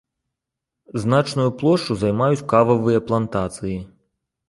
Значную плошчу займаюць кававыя плантацыі.